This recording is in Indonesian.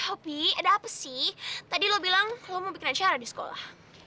hop nih ada apa sih tadi lo bilang lo mau bikin acara di sekolah